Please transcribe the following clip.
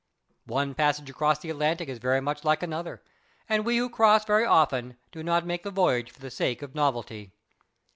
One passage across the Atlantic is very much like another, and we who cross very often do not make the voyage for the sake of novelty.